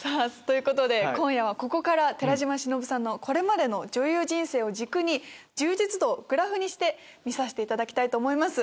今夜はここから寺島しのぶさんのこれまでの女優人生を軸に充実度をグラフにして見させていただきたいと思います。